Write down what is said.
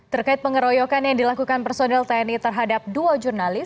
terkait pengeroyokan yang dilakukan personil tni terhadap dua jurnalis